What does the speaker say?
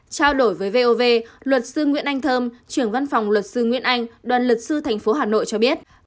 trao đổi với vov luật sư nguyễn anh thơm trưởng văn phòng luật sư nguyễn anh đoàn luật sư thành phố hà nội cho biết